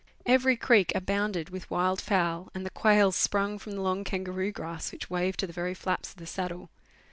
Every creek abounded with wild fowl, and the quail sprung from the long kangaroo grass which waved to the very flaps of the saddle.